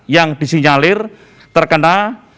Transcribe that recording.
yang disinyalir terkena